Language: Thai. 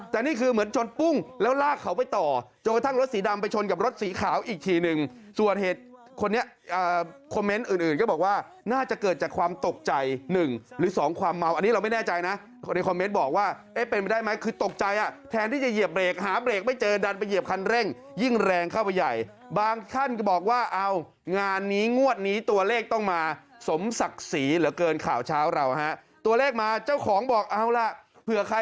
แต่นี่คือเหมือนชนปุ้งแล้วลากเขาไปต่อจนกระทั่งรถสีดำไปชนกับรถสีขาวอีกทีหนึ่ง